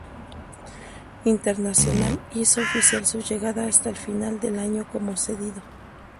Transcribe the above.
Internacional hizo oficial su llegada hasta final de año como cedido.